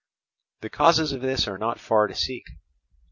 The causes of this are not far to seek.